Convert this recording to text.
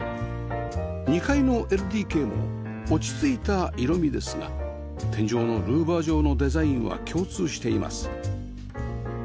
２階の ＬＤＫ も落ち着いた色味ですが天井のルーバー状のデザインは共通しています